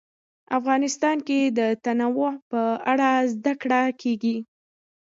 افغانستان کې د تنوع په اړه زده کړه کېږي.